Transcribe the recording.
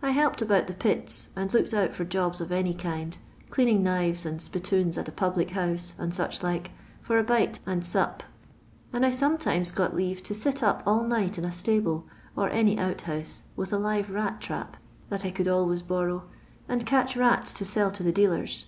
I helped about the pits, and looked out for jobs of any inind, cleaning knives and spit toons at a public house, and such like, for a bite and sup. And I sometimes got leave to sit up all night in a stable or any out house with a live rat trap that I could always borrow, and catch rats to sell to the dealers.